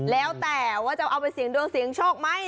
แล้วแต่ว่าจะเอาไปเสียงดวงเสียงโชคไหม